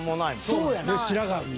そうやねん。